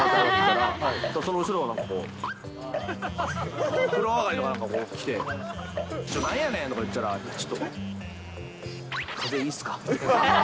その後ろをなんか、風呂上がりになんか来て、ちょっとなんやねんとか言ってたら、ちょっと、風いいっすか？